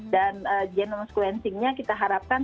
dan genomes cleansingnya kita harapkan